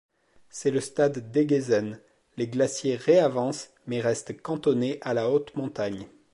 C'est le stade d'Egesen, les glaciers réavancent mais restent cantonnés à la haute montagne.